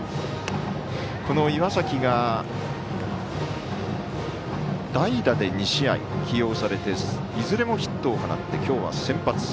この岩崎が代打で２試合起用されていずれもヒットを放って今日は先発。